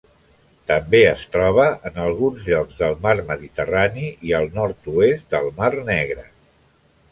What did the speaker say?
També es troba en alguns llocs del Mar Mediterrani i al nord-oest del Mar Negre.